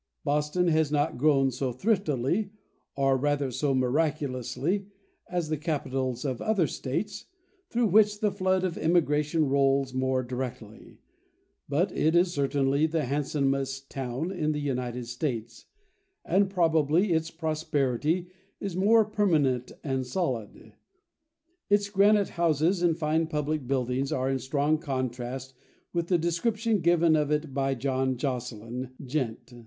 Boston has not grown so thriftily, or rather so miraculously, as the capitols of other States, through which the flood of emigration rolls more directly; but it is certainly the handsomest town in the United States, and probably its prosperity is more permanent and solid. Its granite houses and fine public buildings are in strong contrast with the description given of it by John Josselyn, Gent.